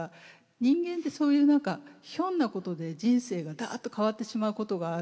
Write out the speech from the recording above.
人間ってそういう何かひょんなことで人生がダッと変わってしまうことがあるんですよね。